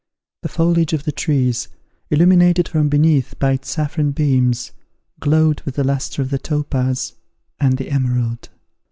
The foliage of the trees, illuminated from beneath by its saffron beams, glowed with the lustre of the topaz and the emerald.